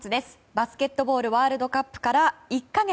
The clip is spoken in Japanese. バスケットボールワールドカップから１か月。